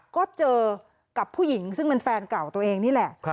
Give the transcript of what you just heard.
ก็เจอกับผู้หญิงซึ่งเป็นแฟนเก่าตัวเองนี่แหละ